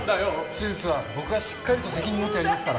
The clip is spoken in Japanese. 手術は僕がしっかりと責任持ってやりますから。